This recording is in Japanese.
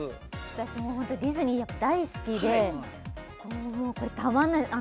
私もうホントディズニー大好きでもうこれたまんないです